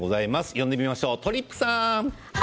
呼んでみましょうとりっぷさん。